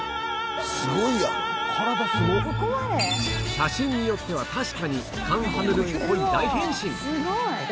⁉写真によっては確かにカン・ハヌルっぽい大変身！